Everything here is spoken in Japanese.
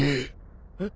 えっ！？